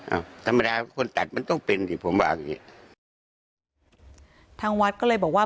อ้าวธรรมดาคนตัดมันต้องเป็นสิผมว่าอย่างงี้ทางวัดก็เลยบอกว่า